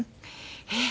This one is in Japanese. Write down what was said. えっ？